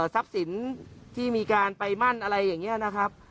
ทรัพย์สินที่มีการไปมั่นอะไรอย่างนี้นะครับ